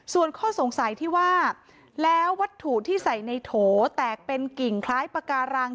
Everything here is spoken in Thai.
ส่วนข้อสงสัยที่ว่าแล้ววัตถุที่ใส่ในโถแตกเป็นกิ่งคล้ายปาการัง